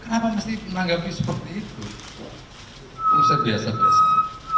kenapa mesti menanggapi seperti itu